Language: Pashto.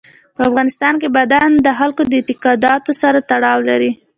په افغانستان کې بادام د خلکو د اعتقاداتو سره تړاو لري.